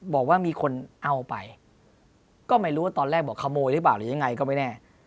บอกว่ามีคนเอาไปก็ไม่รู้ว่าตอนแรกบอกขโมยหรือเปล่าหรือยังไงก็ไม่แน่